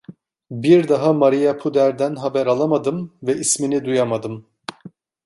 Bir daha Maria Puder'den haber alamadım ve ismini duyamadım.